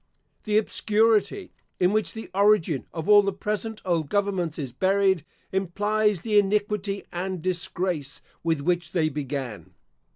The obscurity in which the origin of all the present old governments is buried, implies the iniquity and disgrace with which they began.